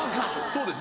そうです